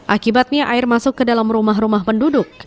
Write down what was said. akibatnya air masuk ke dalam rumah rumah penduduk